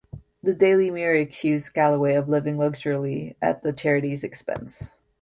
The "Daily Mirror" accused Galloway of living luxuriously at the charity's expense.